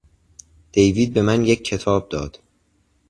دیوید به من یک کتاب داد.